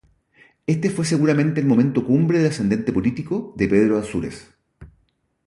Este fue seguramente el momento cumbre del ascendente político de Pedro Ansúrez.